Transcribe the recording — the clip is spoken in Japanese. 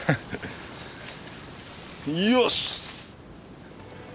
よし！